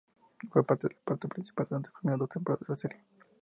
Fue parte del reparto principal durante las primeras dos temporadas de la serie.